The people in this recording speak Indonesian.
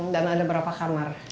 dan ada berapa kamar